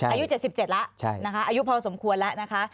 อายุ๗๗แล้วนะคะอายุพอสมควรแล้วนะคะ